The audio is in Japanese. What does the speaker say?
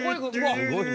すごいね。